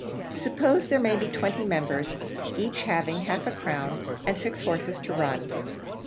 Supposing there may be twenty members, each having half a crown; and six horses to run.